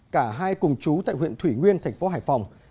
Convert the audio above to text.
cả hai cùng chú tại huyện thủy nguyên thành phố hải phòng